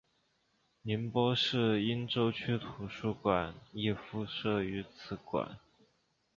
宁波市鄞州区图书馆亦附设于此馆。